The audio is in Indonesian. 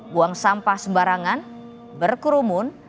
buang sampah sembarangan berkerumun